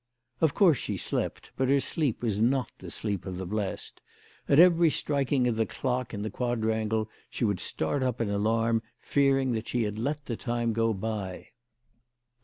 Of course she slept, but her sleep was not the sleep of the blest. At every striking of the clock in the quadrangle she would start up in alarm, fearing that she had let the time go by.